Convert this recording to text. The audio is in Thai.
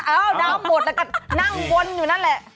น้ำหมดแล้วก็นั่งวนอยู่นั่นแหละ